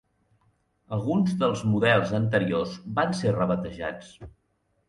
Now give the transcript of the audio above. Alguns dels models anteriors van ser rebatejats.